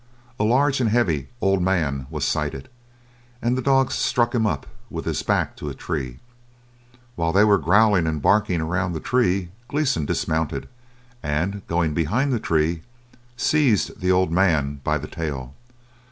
A large and heavy "old man" was sighted; and the dogs stuck him up with his back to a tree. While they were growling and barking around the tree Gleeson dismounted, and, going behind the tree, seized the "old man" by the tail.